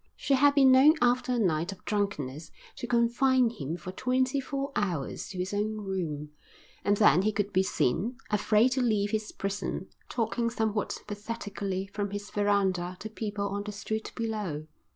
She had been known after a night of drunkenness to confine him for twenty four hours to his own room, and then he could be seen, afraid to leave his prison, talking somewhat pathetically from his verandah to people in the street below.